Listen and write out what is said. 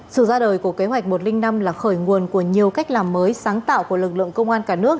sự ra đời của kế hoạch một trăm linh năm là khởi nguồn của nhiều cách làm mới sáng tạo của lực lượng công an cả nước